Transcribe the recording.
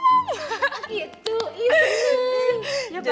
gitu iya bener